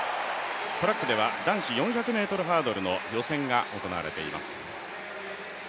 トラックでは男子４００ｍハードルの予選が行われています。